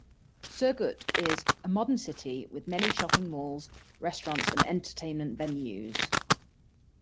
Surgut is a modern city with many shopping malls, restaurants, and entertainment venues.